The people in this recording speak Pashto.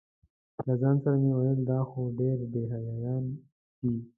له ځان سره مې ویل دا خو ډېر بې حیایان دي.